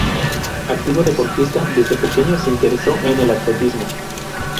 Activo deportista, desde pequeño se interesó en el atletismo.